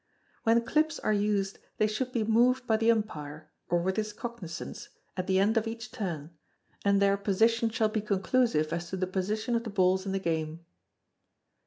When clips are used they should be moved by the umpire, or with his cognisance, at the end of each turn, and their position shall he conclusive as to the position of the balls in the game.